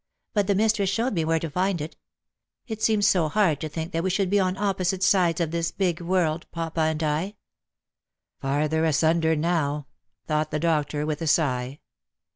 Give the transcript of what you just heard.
But the mistress showed me where to find it. It seemed so hard to think that we should be on opposite sides of this big world, papa and I." " Farther asunder, now," thought the doctor, with a sigh.